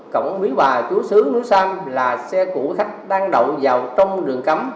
cộng với bà chú sứ núi sam là xe của khách đang đậu vào trong đường cắm